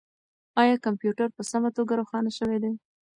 آیا کمپیوټر په سمه توګه روښانه شوی دی؟